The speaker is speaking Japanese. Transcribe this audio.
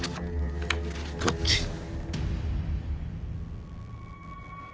どっち？